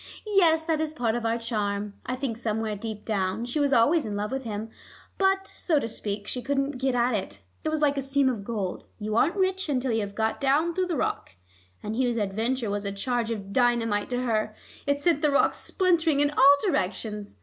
"Yes; that is part of our charm. I think somewhere deep down she was always in love with him, but, so to speak, she couldn't get at it. It was like a seam of gold: you aren't rich until you have got down through the rock. And Hugh's adventure was a charge of dynamite to her; it sent the rock splintering in all directions.